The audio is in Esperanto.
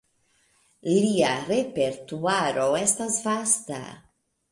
Lia repertuaro estas vasta.